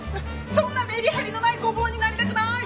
そんなメリハリのないゴボウになりたくなーい！